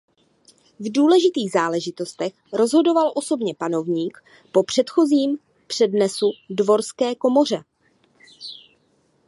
V důležitých záležitostech rozhodoval osobně panovník po předchozím přednesu dvorské komoře.